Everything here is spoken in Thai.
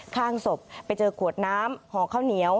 ข้างศพไปเจอขวดน้ำห่อข้าวเหนียว